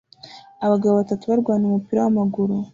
Abagabo batatu barwanira umupira w'amaguru